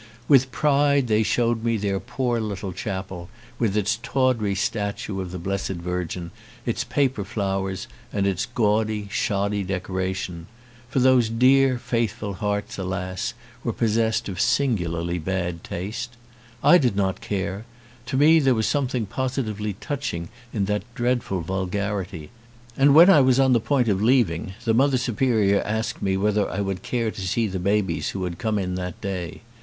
With pride they showed me their poor little chapel with its tawdry statue of the Blessed Virgin, its paper flowers, and its gaudy, shoddy decoration; for those dear faithful hearts, alas ! were possessed of singularly bad taste. I did not care: to me there was something positively touching in that dreadful vulgarity. And when I was on the point of leaving the Mother Superior asked me whether I would care to see the babies who had come in that day.